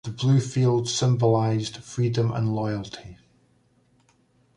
The blue field symbolized freedom and loyalty.